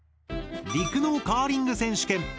陸のカーリング選手権！